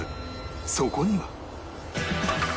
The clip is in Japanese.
そこには